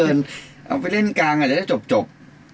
เอาไปเล่นกลางอาจจะได้จบ